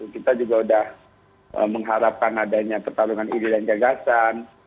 kita juga sudah mengharapkan adanya pertarungan iri dan jagasan